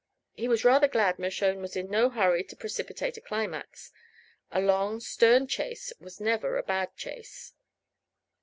He was rather glad Mershone was in no hurry to precipitate a climax. A long stern chase was never a bad chase.